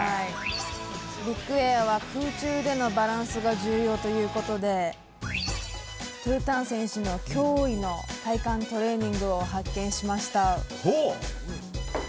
ビッグエアは空中でのバランスが重要ということでトゥータン選手の驚異の体幹トレーニングを発見しました。